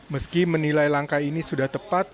meski menilai langkah ini sudah tepat